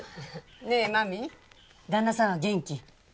ねえ真実旦那さんは元気？